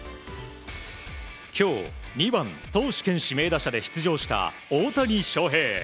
今日、２番投手兼指名打者で出場した大谷翔平。